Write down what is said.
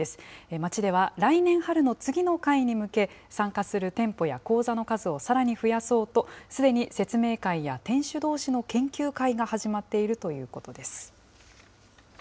街では来年春の次の会に向け、参加する店舗や講座の数をさらに増やそうと、すでに説明会や店主どうしの研究会が始まっているということです。